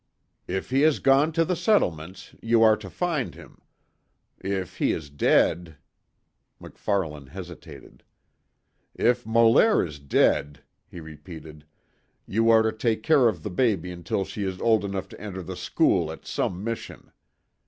"If he has gone to the settlements, you are to find him. If he is dead " MacFarlane hesitated: "If Molaire is dead," he repeated, "You are to take care of the baby until she is old enough to enter the school at some mission.